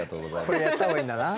これやったほうがいいんだな。